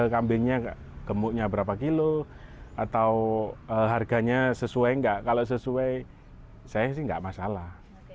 kambingnya gemuknya berapa kilo atau harganya sesuai enggak kalau sesuai saya sih enggak masalah